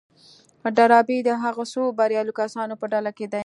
ډاربي د هغو څو برياليو کسانو په ډله کې دی.